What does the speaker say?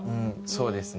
そうですね。